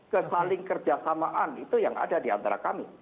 kesaling kerjasamaan itu yang ada di antara kami